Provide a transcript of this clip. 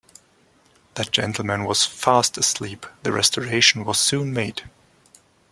That gentleman was fast asleep; the restoration was soon made.